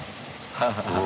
ハハハハ。